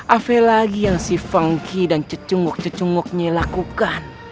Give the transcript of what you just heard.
apa lagi yang si funky dan cecungguk cecungguknya lakukan